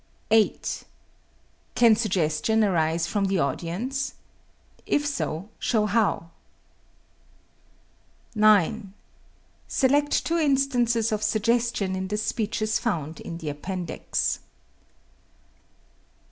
8. Can suggestion arise from the audience? If so, show how. 9. Select two instances of suggestion in the speeches found in the Appendix.